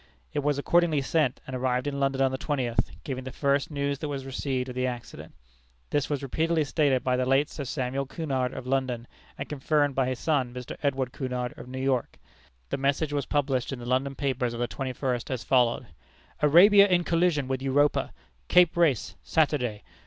It was accordingly sent, and arrived in London on the twentieth, giving the first news that was received of the accident. This was repeatedly stated by the late Sir Samuel Cunard, of London, and confirmed by his son Mr. Edward Cunard, of New York. The message was published in the London papers of the twenty first, as follows: "Arabia in collision with Europa, Cape Race, Saturday.